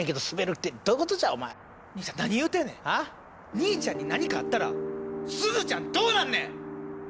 兄ちゃんに何かあったらすずちゃんどうなんねん！